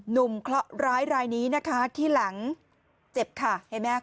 เคราะหร้ายรายนี้นะคะที่หลังเจ็บค่ะเห็นไหม